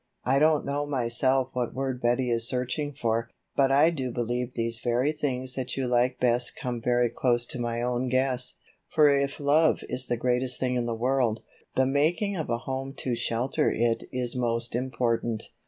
I don't know myself what word Betty is searching for, but I do believe these very things that you like best come very close to my own guess. For if love is the greatest thing in the world, the making of a home to shelter it is most important.